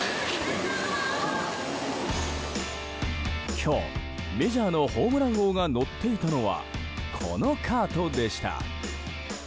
今日メジャーのホームラン王が乗っていたのはこのカートでした。